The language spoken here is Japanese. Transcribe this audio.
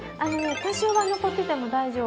多少は残ってても大丈夫。